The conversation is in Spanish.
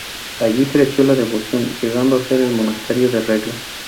Allí creció la devoción, llegando a ser el monasterio de Regla.